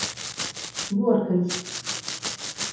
Vuorkaļs.